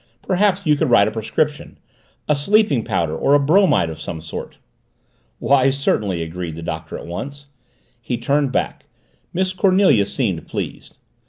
"Perhaps you could write a prescription a sleeping powder or a bromide of some sort." "Why, certainly," agreed the Doctor at once. He turned back. Miss Cornelia seemed pleased.